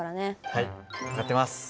はい分かってます。